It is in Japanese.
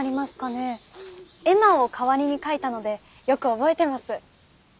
絵馬を代わりに書いたのでよく覚えてます。